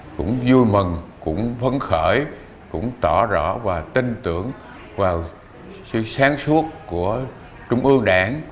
cũng vui mừng cũng phấn khởi cũng tỏ rõ và tin tưởng vào sự sáng suốt của trung ương đảng